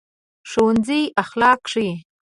ښوونځی اخلاق ښيي